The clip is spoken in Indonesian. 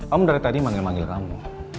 kamu dari tadi manggil manggil kamu